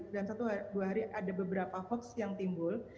dalam satu dua hari ada beberapa hoax yang timbul